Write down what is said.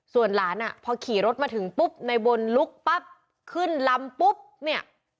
ส่วนหลานอ่ะพอขี่รถมาถึงปุ๊บในบนลุกปั๊บขึ้นลำปุ๊บเนี่ย